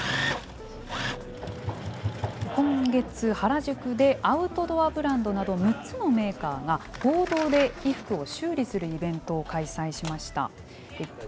今月、原宿でアウトドアブランドなど３つのメーカーが合同で衣服を修理するイベントを開催しました。